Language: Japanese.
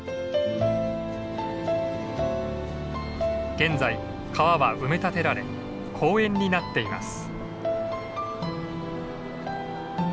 現在川は埋め立てられ公園になっています。